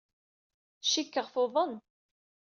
Cikkeɣ tuḍen.